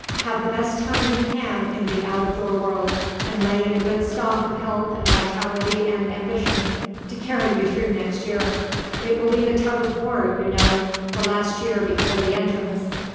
Have the best time you can in the out of door world and lay in a good stock of health and vitality and ambition to carry you through next year. It will be the tug of war, you know the last year before the Entrance."